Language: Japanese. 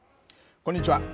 こんにちは。